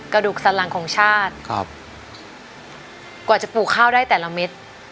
กระดูกสันหลังของชาติครับกว่าจะปลูกข้าวได้แต่ละเม็ด